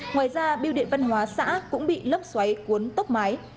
ngoài ra biêu điện văn hóa xã cũng bị lốc xoáy cuốn tốc mái